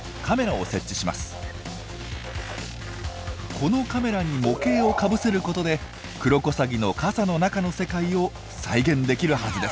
このカメラに模型をかぶせることでクロコサギの傘の中の世界を再現できるはずです。